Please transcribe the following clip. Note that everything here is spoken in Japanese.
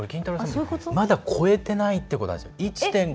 まだ超えてないっていうことなんですよ。